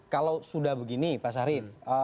kalau sudah begini pak sarin